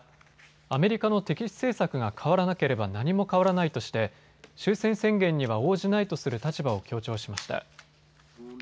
アメリカの敵視政策が変わらなければ何も変わらないとして終戦宣言には応じないとする立場を強調しました。